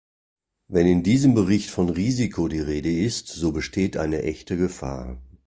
Wenn in diesem Bericht von Risiko die Rede ist, so besteht eine echte Gefahr.